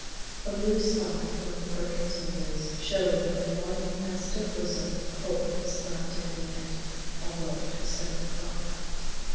A blue spot at one of the Perkins windows showed that in one vestal bosom hope was not dead yet, although it was seven o'clock.